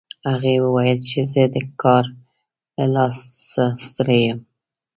هغې وویل چې زه د کار له لاسه ستړي یم